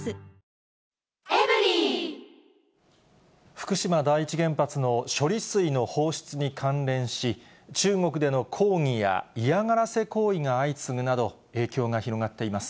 福島第一原発の処理水の放出に関連し、中国での抗議や嫌がらせ行為が相次ぐなど、影響が広がっています。